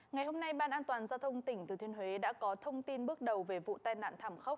ngày hôm nay ban an toàn giao thông tỉnh thừa thiên huế đã có thông tin bước đầu về vụ tai nạn thảm khốc